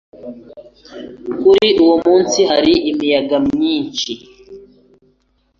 Kuri uwo munsi hari umuyaga mwinshi.